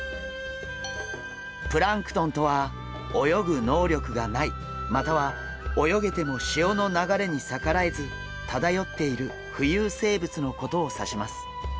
プランクトンとは泳ぐ能力がないまたは泳げても潮の流れに逆らえず漂っている浮遊生物のことを指します。